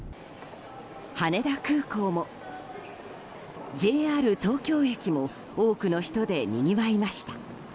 羽田空港も、ＪＲ東京駅も多くの人でにぎわいました。